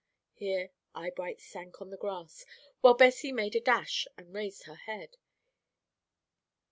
'" Here Eyebright sank on the grass, while Bessie made a dash, and raised her head.